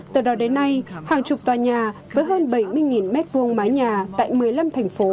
từ đó đến nay hàng chục tòa nhà với hơn bảy mươi m hai mái nhà tại một mươi năm thành phố